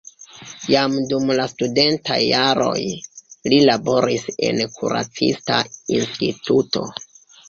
Jam dum la studentaj jaroj li laboris en kuracista instituto.